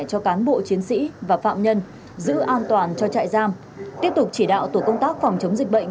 cho cán bộ chiến sĩ và phạm nhân giữ an toàn cho trại giam tiếp tục chỉ đạo tổ công tác phòng chống dịch bệnh